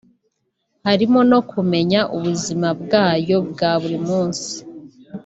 harimo no kumenya ubuzima bwayo bwa buri munsi